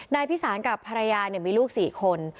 นายพิสารกับภรรยามีลูก๔คน